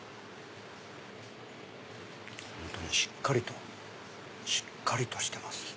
本当にしっかりとしっかりとしてます。